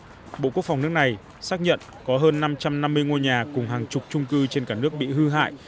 trước đó bộ quốc phòng nước này xác nhận có hơn năm trăm năm mươi ngôi nhà cùng hàng chục trung cư trên cả nước bị hư hại